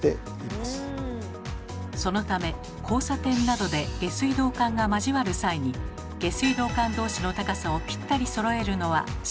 そのため交差点などで下水道管が交わる際に下水道管同士の高さをピッタリそろえるのは至難の業。